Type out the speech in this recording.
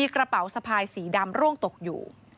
กระเป๋าสะพายสีดำร่วงตกอยู่